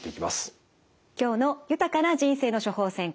今日の「豊かな人生の処方せん」